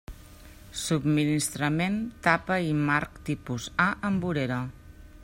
Subministrament tapa i marc Tipus A en vorera.